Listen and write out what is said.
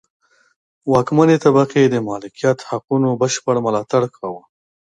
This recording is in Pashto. واکمنې طبقې د مالکیت حقونو بشپړ ملاتړ کاوه.